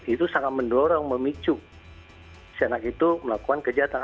itu sangat mendorong memicu si anak itu melakukan kejahatan